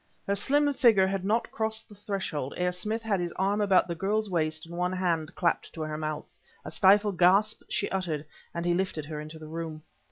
Her slim figure had not crossed the threshold ere Smith had his arm about the girl's waist and one hand clapped to her mouth. A stifled gasp she uttered, and he lifted her into the room.